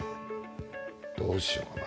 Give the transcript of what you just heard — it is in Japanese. どうしようかな？